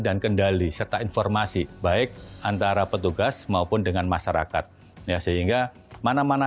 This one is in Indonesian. dan kendali serta informasi baik antara petugas maupun dengan masyarakat ya sehingga mana mana